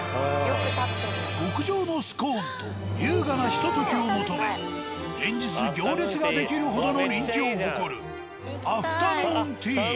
極上のスコーンと優雅なひと時を求め連日行列が出来るほどの人気を誇るアフタヌーンティーや。